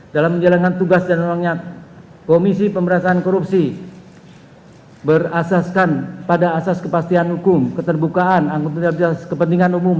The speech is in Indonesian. dalam menjalankan tugas dan ruangnya komisi pemberantasan korupsi berasaskan pada asas kepastian hukum keterbukaan anggota kepentingan umum